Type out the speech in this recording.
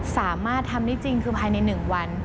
สามารถทำได้จริงคือภายใน๑วัน